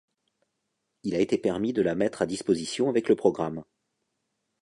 Il a été permis de la mettre à disposition avec le programme.